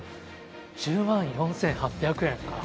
１０万４８００円か。